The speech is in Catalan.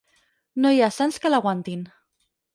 No hi ha sants que l'aguantin.